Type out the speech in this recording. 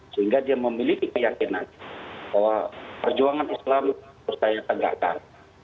sehingga dia memiliki keyakinan bahwa perjuangan islam harus saya tegakkan